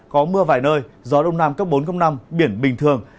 có mưa vài nơi gió đông nam cấp bốn năm biển bình thường